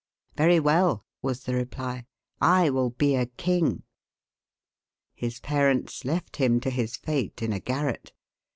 "Very well," was the reply, "I will be a king." His parents left him to his fate in a garret.